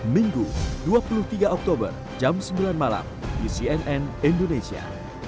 minggu dua puluh tiga oktober jam sembilan malam di cnn indonesia